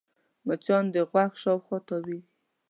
مچان د غوږ شاوخوا تاوېږي